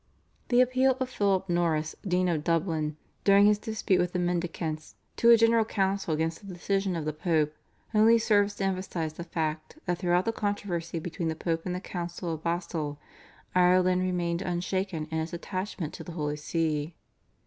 The appeal of Philip Norris, Dean of Dublin, during his dispute with the Mendicants, to a General Council against the decision of the Pope only serves to emphasise the fact that throughout the controversy between the Pope and the Council of Basle Ireland remained unshaken in its attachment to the Holy See.